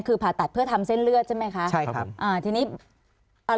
คือผ่าตัดเพื่อทำเส้นเลือดใช่ไหมคะใช่ครับอ่าทีนี้อ่า